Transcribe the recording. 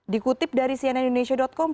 dikutip dari cnn indonesia com